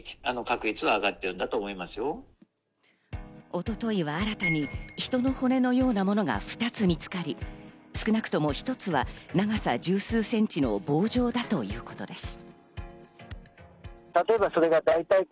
一昨日は新たに人の骨のようなものが２つ見つかり、少なくとも１つは長さ十数センチの棒状だということです。